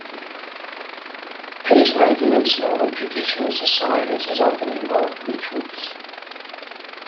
Peacemaking in smaller, traditional societies has often involved rituals.